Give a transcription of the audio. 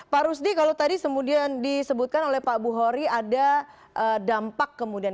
pak rusdi kalau tadi kemudian disebutkan oleh pak buhori ada dampak kemudian